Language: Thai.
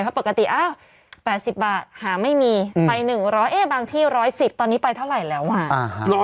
เพราะปกติอ้าว๘๐บาทหาไม่มีไป๑๐๐บางที่๑๑๐ตอนนี้ไปเท่าไหร่แล้วอ่ะ